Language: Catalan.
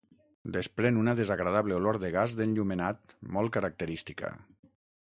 Desprèn una desagradable olor de gas d'enllumenat molt característica.